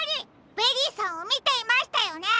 ベリーさんをみていましたよね！